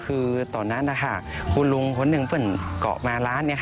คือตอนนั้นคุณลุงคนหนึ่งก็มาร้าน